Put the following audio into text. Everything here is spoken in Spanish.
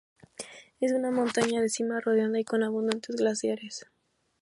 Es una montaña de cima redondeada y con abundantes glaciares.